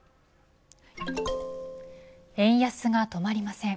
円安が止まりません。